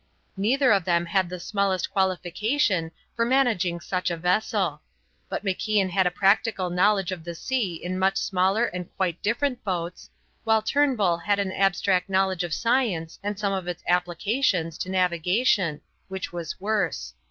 Neither of them had the smallest qualification for managing such a vessel; but MacIan had a practical knowledge of the sea in much smaller and quite different boats, while Turnbull had an abstract knowledge of science and some of its applications to navigation, which was worse.